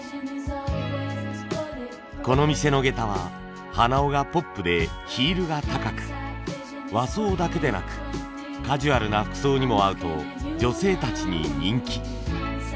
この店の下駄は鼻緒がポップでヒールが高く和装だけでなくカジュアルな服装にも合うと女性たちに人気。